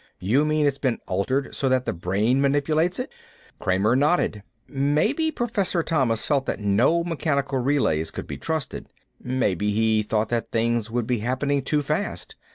"You mean it's been altered so that the brain manipulates it?" Kramer nodded. "Maybe Professor Thomas felt that no mechanical relays could be trusted. Maybe he thought that things would be happening too fast.